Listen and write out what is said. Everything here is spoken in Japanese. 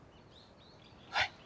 はい。